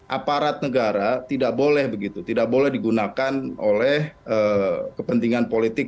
aparat negara tidak boleh begitu tidak boleh digunakan oleh kepentingan politik